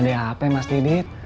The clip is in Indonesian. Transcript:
ada apa mas didit